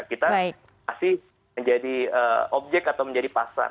kita masih menjadi objek atau menjadi pasar